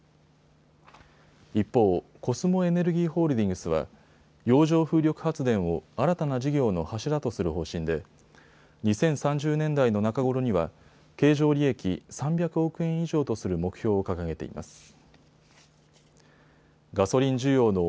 一方、コスモエネルギーホールディングスは洋上風力発電を、新たな事業の柱とする方針で２０３０年代の中頃には経常利益３００億円以上とする目標を掲げています。